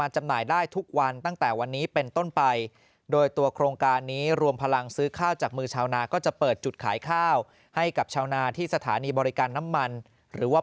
จากมือชาวนาก็จะเปิดจุดขายข้าวให้กับชาวนาที่สถานีบริการน้ำมันหรือว่า